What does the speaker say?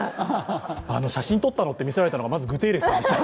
写真撮ったねって見せられたの、まずグテーレスさんでしたから。